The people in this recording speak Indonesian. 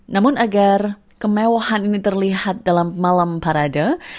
namun agar kemewahan ini terlihat dalam malam parade